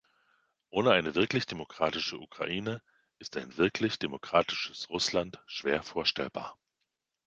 Ohne eine wirklich demokratische Ukraine ist ein wirklich demokratisches Russland schwer vorstellbar.